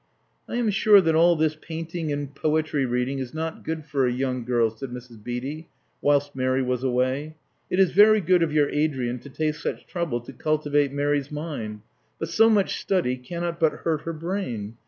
"I am sure that all this painting and poetry reading is not good for a young girl," said Mrs. Beatty, whilst Mary was away. "It is very good of your Adrian to take such trouble to cultivate Mary's mind; but so much study cannot but hurt her brain.